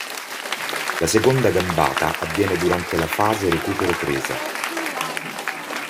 La seconda gambata avviene durante la fase recupero-presa.